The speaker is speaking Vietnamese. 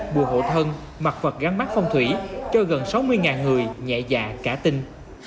bùa hộ thân mặt vật gắn mắt phong thủy cho gần sáu mươi người nhẹ dạ cả tinh